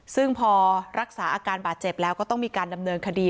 ซึ่งพอรักษาอาการบาดเจ็บแล้วก็ต้องมีการดำเนินคดี